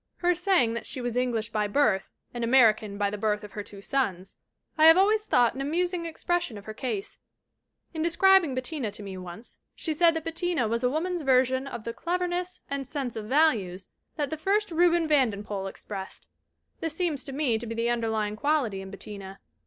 Her saying that she was 'English by birth and American by the birth of her two sons' I have always thought an amusing expression of her case. In describing Bettina to me, once, she said that Bettina was a woman's version of the cleverness and sense of values that the first Reuben Vandenpoel expressed. This seems to me to be the underlying quality in Bet tina.